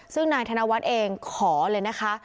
ซึ่งนายธนวัฒน์เองขอเลยนะคะ